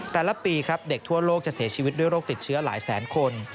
แต่ละปีครับเด็กทั่วโลกจะเสียชีวิตด้วยโรคติดเชื้อหลายแสนคน